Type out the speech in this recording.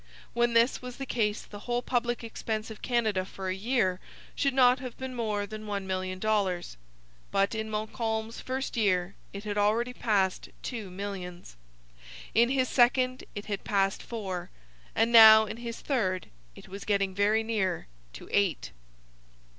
When this was the case the whole public expense of Canada for a year should not have been more than one million dollars. But in Montcalm's first year it had already passed two millions. In his second it had passed four. And now, in his third, it was getting very near to eight.